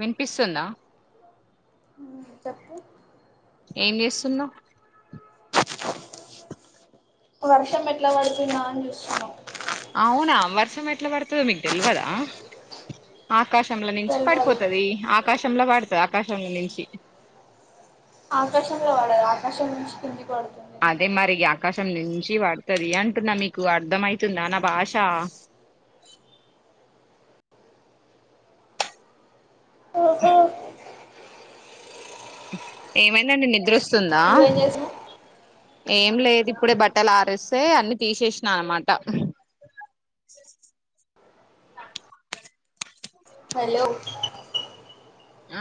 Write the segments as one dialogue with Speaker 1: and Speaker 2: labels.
Speaker 1: వినిపిస్తుంద
Speaker 2: ఊమ్ చెప్పు
Speaker 1: ఏం జేస్తున్నవ్
Speaker 2: వర్షం ఎట్లా వడుతుందా అన్ చూస్తున్నా
Speaker 1: అవునా వర్షం ఎట్ల వడుతదో మీక్ దెల్వదా ఆకాశంల నుంచి
Speaker 2: తెల్వదు
Speaker 1: పడిపోతది ఆకాశంల వడుత ఆకాశంల నుంచి
Speaker 2: ఆకాశంల వడద్ ఆకాశం నుంచి కిందిక్ వడుతున్ని
Speaker 1: అదే మరి ఆకాశం నుంచి వడుతది అంటున్న మీకు అర్థమయితుందా నా భాష ఏమైందండీ నిద్రోస్తుందా
Speaker 2: నువ్వేం చేసినవ్
Speaker 1: ఏం లేద్ ఇప్పుడే బట్టల్ ఆరేస్తే అన్ని తీసేసినా అనమాట
Speaker 2: హలో
Speaker 1: అ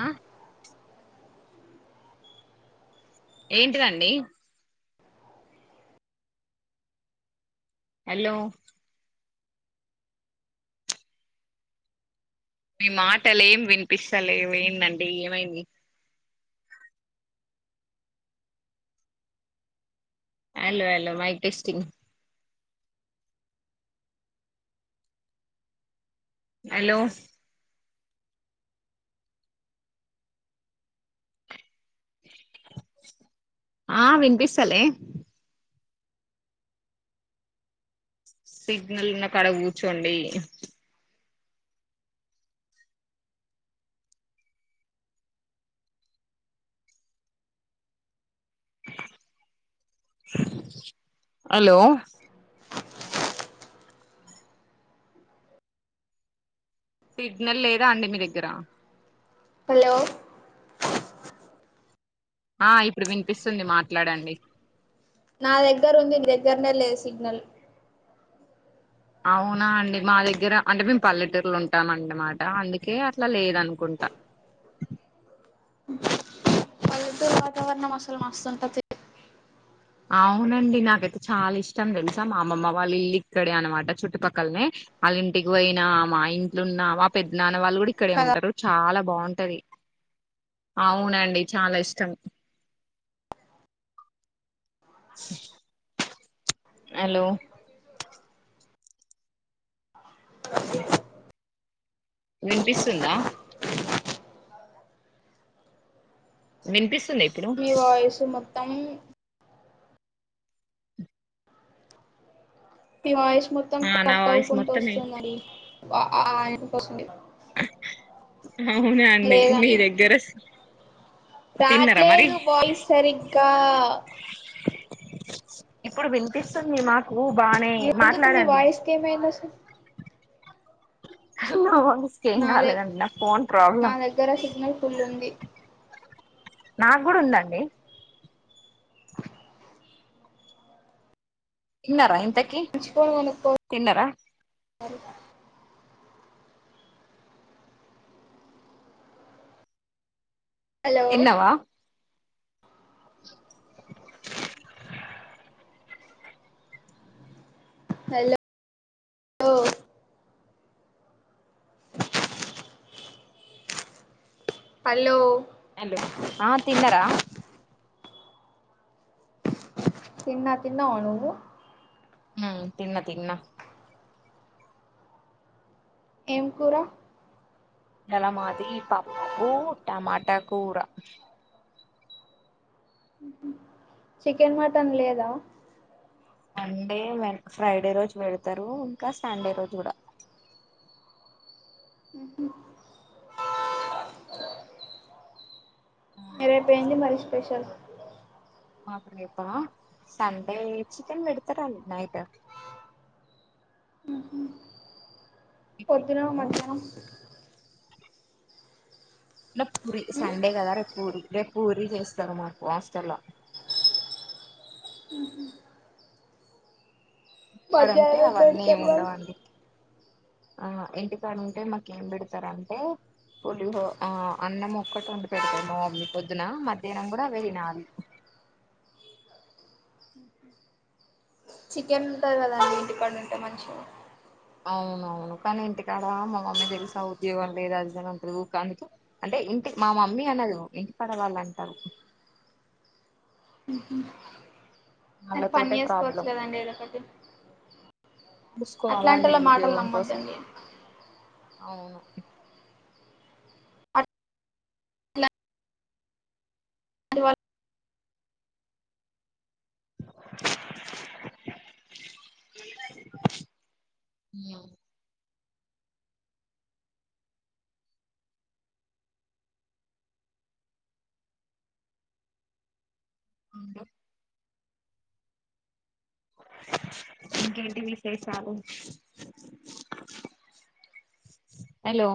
Speaker 1: ఏంటిదండి హలో మీ మాటలు ఏం వినిపిస్తలేవు ఏందండి ఏమైంది hello hello mic testing hello ఆ విన్పిస్తలే సిగ్నల్ ఉన్న కాడ గూర్చోండి హలో సిగ్నల్ లేదా అండి మీ దెగ్గర
Speaker 2: హల్లో
Speaker 1: ఆ ఇప్పుడు విన్పిస్సుంది మాట్లాడండి
Speaker 2: నా దగ్గర ఉంది నీ దగ్గరనే లేదు సిగ్నల్
Speaker 1: అవునా అండి మా దగ్గర అంటే మేమ్ పల్లెటూరులో ఉంటాం అన్న మాట అందుకే అట్ల లేదనుకుంట
Speaker 2: పల్లెటూరు వాతావరణం అస్సల్ మస్త్ ఉంటది
Speaker 1: అవునండి నాకైతే చాలా ఇష్టం దెల్సా మా అమమ్మ వాళ్ళ ఇల్లు ఇక్కడే అనమాట చుట్టుపక్కల్నే ఆళ్ళ ఇంటికి వొయినా మా ఇంట్లున్నా వా పెద్నాన్న వాళ్ళు గూడ ఇక్కడే
Speaker 2: కదా
Speaker 1: ఉంటరు చాలా బా ఉంటది అవునండి చాలా ఇష్టం అలో విన్పిస్సుందా విన్పిస్సుంది
Speaker 2: మీ వాయిస్ మొత్తం మీ వాయిస్ మొత్తం
Speaker 1: ఆ నా
Speaker 2: కట్
Speaker 1: వాయిస్
Speaker 2: అవుకుంటూ
Speaker 1: మొత్తం
Speaker 2: ఒస్తుందండి వ అ ఆ ఇంకొస్సుంది
Speaker 1: అవునా అండి నీ
Speaker 2: లేదండి
Speaker 1: దగ్గరస్
Speaker 2: రాట్లేదు వాయిస్ సరిగ్గా
Speaker 1: ఇప్పుడు విన్పిస్తుంది మాకూ బానే మాట్లాడండి
Speaker 2: కేమైంది అసల్
Speaker 1: నా వాయిస్ కి ఏం
Speaker 2: నాదే
Speaker 1: గాలేదండి నా ఫోన్
Speaker 2: నా
Speaker 1: ప్రాబ్లం
Speaker 2: దగ్గర సిగ్నల్ ఫుల్ ఉంది
Speaker 1: నా గూడ ఉందండి తిన్నార ఇంతకి
Speaker 2: ఉంచుకోని గొనుక్కో
Speaker 1: తిన్నరా
Speaker 2: [inaudible] సారి అల్లో
Speaker 1: తిన్నావా
Speaker 2: హల్లొ హలో
Speaker 1: ఆ తిన్నరా
Speaker 2: తిన్నా తిన్నావ నువ్వు
Speaker 1: ఊ తిన్న తిన్న
Speaker 2: ఏం కూర
Speaker 1: యాల మాది పప్పూ టమాట కూర
Speaker 2: ఉహు చికెన్ మటన్ లేదా
Speaker 1: మండే వెన్ ఫ్రైడే రోజు బెడుతరూ ఇంకా సండే రోజ్ గుడా
Speaker 2: ఉహు ఇదైపోయింది మరి స్పెషల్
Speaker 1: మాక్ రేపా సండే చికెన్ పెడుత రండి నైట్
Speaker 2: న మధ్యాహ్నం.
Speaker 1: న పూరి
Speaker 2: ఉమ్
Speaker 1: సండే కదా, రేపు పూరి రేపు పూరి చేస్తారు మాకు హాస్టల్లో.
Speaker 2: ఉహు
Speaker 1: ఇంటికాడ ఉంటే
Speaker 2: మధ్యాహ్నం ఏం
Speaker 1: అవన్నీ ఏమి
Speaker 2: బెడ్తర్ మరి
Speaker 1: ఉండవండి ఆ ఇంటికాడ ఉంటే మాకేం పెడతారంటే పులిహో ఆ అన్నం ఒక్కటి వండి పెడతరు పొద్దున, మధ్యాహ్నం గుడ అవే తినాలే.
Speaker 2: చికెన్ ఉంటది కదండి, ఇంటికాడు ఉంటే మంచిగుం
Speaker 1: అవునవును కనీ ఇంటికాడ మా మమ్మీ తెలిసా ఉద్యోగం లేదు అది ఇది అని అంటది ఊకె అందుకే అంటే ఇంటి మా మమ్మీ అనదు, ఇంటి కాడ వాళ్లు అంటరు.
Speaker 2: ఉహు మరి పని
Speaker 1: వాళ్ళతోటే
Speaker 2: చేసుకోవచ్చు
Speaker 1: ప్రాబ్లం
Speaker 2: కదండి ఏదో ఒకటి.
Speaker 1: చూసుకోవాలండి
Speaker 2: అట్లాంటోల్ల మాటలు
Speaker 1: ఉద్యోగం కోసం
Speaker 2: నమ్మద్దండి.
Speaker 1: అవును
Speaker 2: అట్లాంటి
Speaker 1: ఉమ్ ఉండు ఇంకేంటి విశేషాలు? హలో